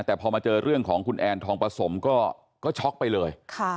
แต่พอมาเจอเรื่องของคุณแอนทองประสมก็ช็อกไปเลย